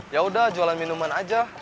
yaudah jualan minuman aja